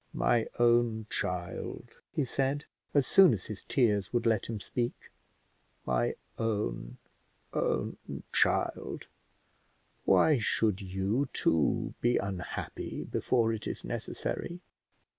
"My own child," he said, as soon as his tears would let him speak, "my own, own child, why should you too be unhappy before it is necessary?